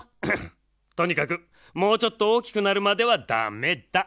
とにかくもうちょっとおおきくなるまではダメだ。